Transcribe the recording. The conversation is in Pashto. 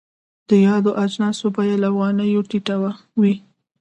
د یادو اجناسو بیه له افغانیو ټیټه وي.